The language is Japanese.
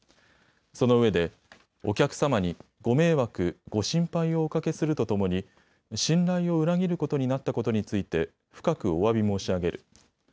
そのうえでお客様にご迷惑、ご心配をおかけするとともに信頼を裏切ることになったことについて深くおわび申し上げる。